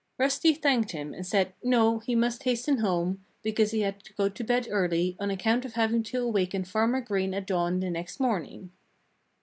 Rusty thanked him and said, no! he must hasten home, because he had to go to bed early, on account of having to awaken Farmer Green at dawn the next morning.